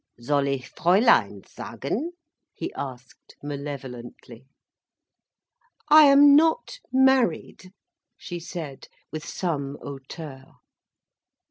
"Soll ich Fräulein sagen?" he asked, malevolently. "I am not married," she said, with some hauteur.